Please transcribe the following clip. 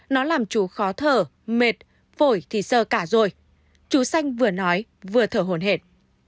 nó làm chú khó thở mệt phổi thì sơ cả rồi chú sanh vừa nói vừa thở hồn hệt